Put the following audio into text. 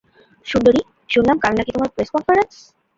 সুন্দরী, শুনলাম কাল নাকি তোমার প্রেস কনফারেন্স।